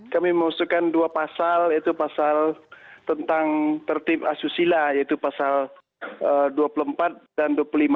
kami mengusulkan dua pasal yaitu pasal tentang tertib asusila yaitu pasal dua puluh empat dan dua puluh lima